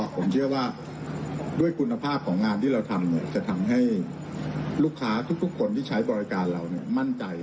ผมเชื่อว่าด้วยคุณภาพของงานที่เราทำจะทำให้ลูกค้าทุกคนที่ใช้บริการเรามั่นใจ